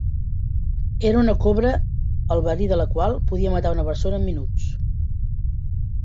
Era una cobra el verí de la qual podia matar una persona en minuts.